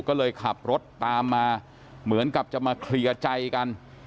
ก็เลยขับรถตามมาเหมือนกับจะมาเคลียร์ใจกัน